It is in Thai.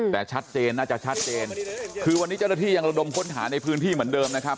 แต่ชัดเจนน่าจะชัดเจนคือวันนี้เจ้าหน้าที่ยังระดมค้นหาในพื้นที่เหมือนเดิมนะครับ